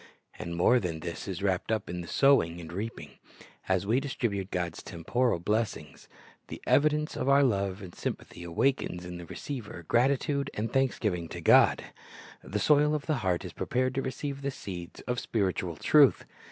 "^ And more than this is wrapped up in the sowing and the reaping. As we distribute God's temporal blessings, the evidence of our love and sympathy awakens in the receiver gratitude and thanksgiving to God. The soil of the heart is prepared to receive the seeds of spiritual truth.